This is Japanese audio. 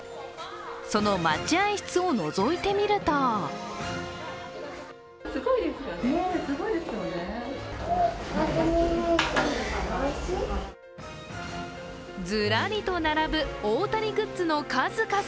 その待合室をのぞいてみるとずらりと並ぶ、大谷グッズの数々。